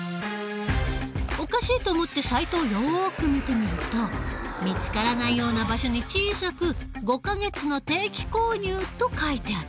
おかしいと思ってサイトをよく見てみると見つからないような場所に小さく５か月の定期購入と書いてあった。